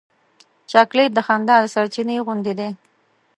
چاکلېټ د خندا د سرچېنې غوندې دی.